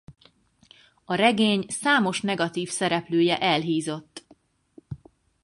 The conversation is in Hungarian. A regény számos negatív szereplője elhízott.